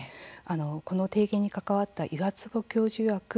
この提言に関わった岩坪教授いわく